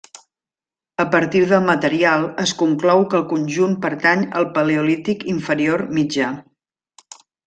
A partir del material es conclou que el conjunt pertany al Paleolític Inferior Mitjà.